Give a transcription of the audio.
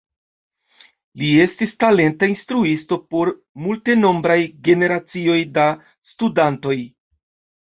Li estis talenta instruisto por multenombraj generacioj da studantoj.